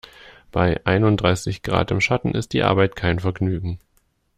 Bei einunddreißig Grad im Schatten ist die Arbeit kein Vergnügen.